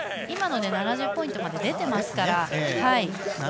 今ので７０ポイントまで出ていますから。